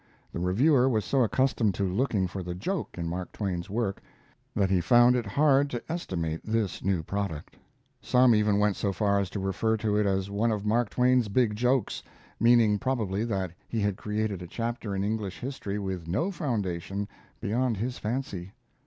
The reviewer was so accustomed to looking for the joke in Mark Twain's work, that he found it hard to estimate this new product. Some even went so far as to refer to it as one of Mark Twain's big jokes, meaning probably that he had created a chapter in English history with no foundation beyond his fancy.